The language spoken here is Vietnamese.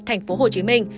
thành phố hồ chí minh